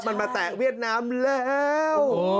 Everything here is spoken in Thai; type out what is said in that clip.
มันมาแตะเวียดนามแล้ว